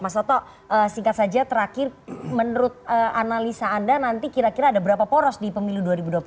mas soto singkat saja terakhir menurut analisa anda nanti kira kira ada berapa poros di pemilu dua ribu dua puluh empat